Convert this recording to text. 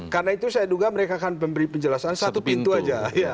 karena itu saya duga mereka akan memberi penjelasan satu pintu saja